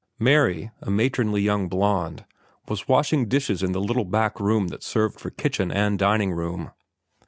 Mary, a matronly young blonde, was washing dishes in the little back room that served for kitchen and dining room.